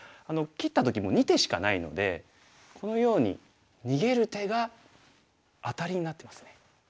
切った時も２手しかないのでこのように逃げる手がアタリになってますね。